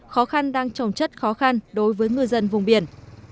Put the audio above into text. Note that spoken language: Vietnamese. khó khăn đang trồng chất khó khăn đối với ngư dân vùng biển